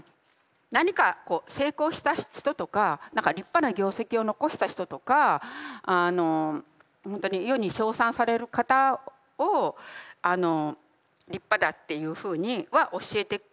何かこう成功した人とか何か立派な業績を残した人とかほんとに世に称賛される方を立派だっていうふうには教えてくれて。